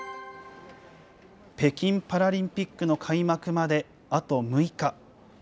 北京パラリンピックの開幕まであと６日。